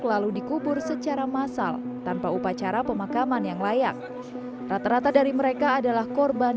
lalu dikubur secara massal tanpa upacara pemakaman yang layak rata rata dari mereka adalah korban